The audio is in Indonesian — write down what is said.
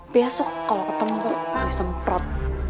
besok kalau ketemu gue gue semprot